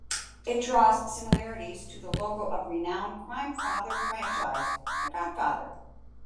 It draws similarities to the logo of renowned crime film franchise "The Godfather".